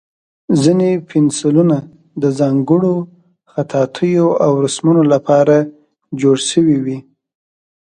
ځینې پنسلونه د ځانګړو خطاطیو او رسمونو لپاره جوړ شوي وي.